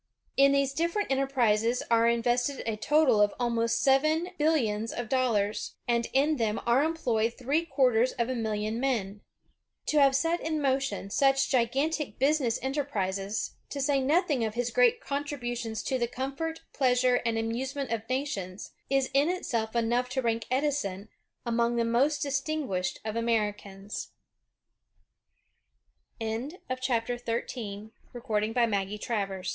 In these different enterprises are invested a total of almost seven billions of dollars, and in them are employed three quarters of a million men. To have set in motion such gigantic business enterprises, to say nothing of his great contributions to the comfort, pleasure, and amusement of nations, is in itself enough to rank Edison among the most distinguished